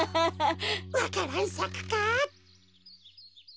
わか蘭さくか？